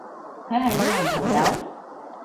佢係你男朋友？